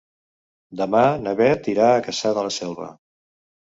Demà na Beth irà a Cassà de la Selva.